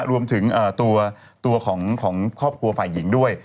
รวมถึงตัวของครอบครัวฝ่ายหญิงด้วย